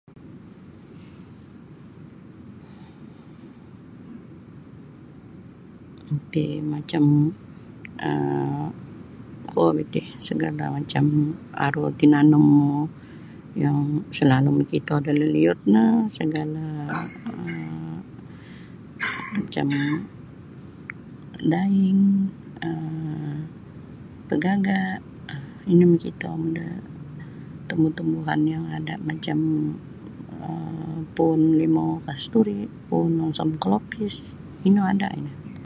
Iti macam um kuo biti macam aru tinanummu yang selalu makito da liliut no macam daing pagaga ino makitomu tumbu-tumbuan yang ada macam puun limau kasturi puun onsom kolopis ino ada ino.